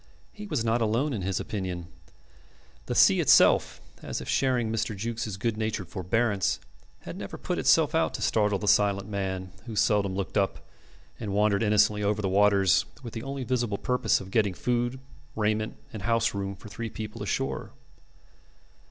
He was not alone in his opinion. The sea itself, as if sharing Mr. Jukes' good natured forbearance, had never put itself out to startle the silent man, who seldom looked up, and wandered innocently over the waters with the only visible purpose of getting food, raiment, and house room for three people ashore.